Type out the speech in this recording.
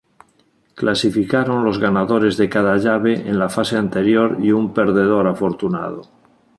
Clasificaron los ganadores de cada llave en la fase anterior y un perdedor afortunado.